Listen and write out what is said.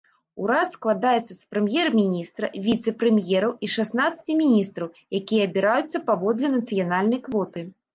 Урад складаецца з прэм'ер-міністра, віцэ-прэм'ераў і шаснаццаці міністраў, якія абіраюцца паводле нацыянальнай квоты.